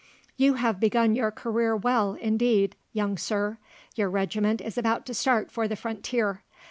"You have begun your career well, indeed, young sir. Your regiment is about to start for the frontier.